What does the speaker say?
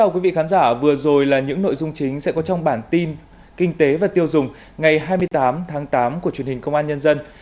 chào mừng quý vị đến với bản tin kinh tế và tiêu dùng ngày hai mươi tám tháng tám của truyền hình công an nhân dân